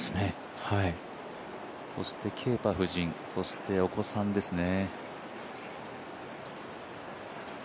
そして夫人、そしてお子さんですね。